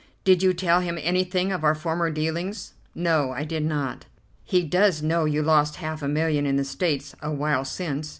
"Did you tell him anything of our former dealings?" "No, I did not." "He does know you lost half a million in the States a while since?"